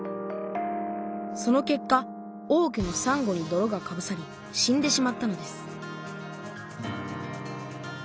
その結果多くのさんごにどろがかぶさり死んでしまったのです